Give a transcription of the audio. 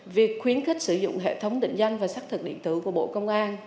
việc khuyến khích sử dụng hệ thống định danh và xác thực điện tử của bộ công an